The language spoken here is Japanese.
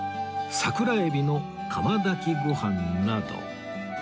桜海老の釜炊きご飯など